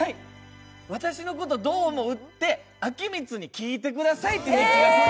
私のことどう思う？って彰充に聞いてください。